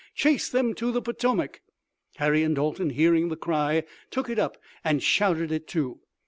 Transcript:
Chase them to the Potomac!" Harry and Dalton, hearing the cry, took it up and shouted it, too.